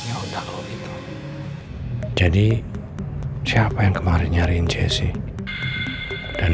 enggak oke oke ya udah kalau gitu jadi siapa yang kemarin nyariin jessy dan